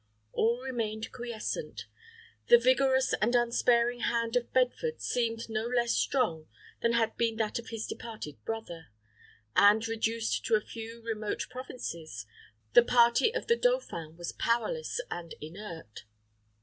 All remained quiescent; the vigorous and unsparing hand of Bedford seemed no less strong than had been that of his departed brother; and, reduced to a few remote provinces, the party of the dauphin was powerless and inert.